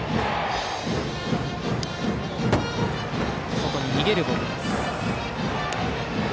外に逃げるボールでした。